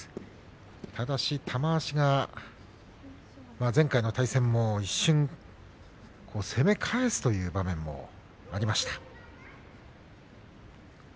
ただし玉鷲が前回の対戦も一瞬攻め返すという場面がありました。